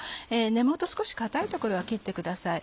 根元少し硬い所は切ってください。